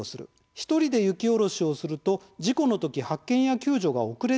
１人で雪下ろしをすると事故の時発見や救助が遅れてしまいます。